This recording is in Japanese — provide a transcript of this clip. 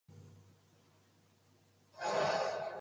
つくってほしいのおやすみなさい